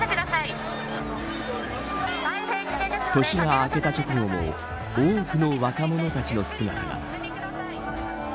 年が明けた直後も多くの若者たちの姿が。